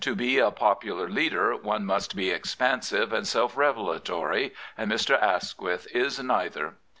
be a popular leader one must be expansive and self revelatory, and Mr. Asquith is neither.